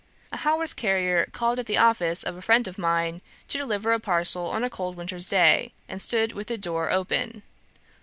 "A Haworth carrier called at the office of a friend of mine to deliver a parcel on a cold winter's day, and stood with the door open.